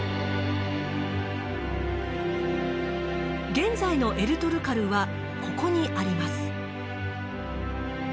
現在のエルトルカルはここにあります。